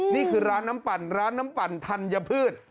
นี่คือร้านน้ำปั่นร้านน้ำปั่นธัญพืช